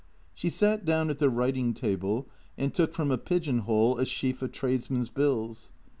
She sat down at the writing table and took from a pigeon hole a sheaf of tradesmen's bills.